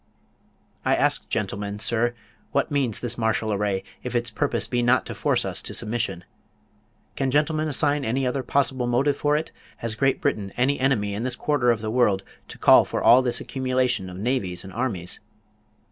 I ask gentlemen, sir, what means this martial array, if its purpose be not to force us to submission? Can gentlemen assign any other possible motive for it? Has Great Britain any enemy in this quarter of the world, to call for all this accumulation of navies and armies?